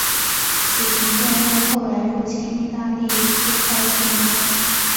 此行动为后来入侵义大利揭开续幕。